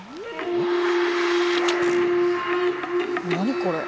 何これ？